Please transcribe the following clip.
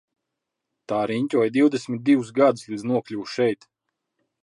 Tā riņķoja divdesmit divus gadus līdz nokļuva šeit.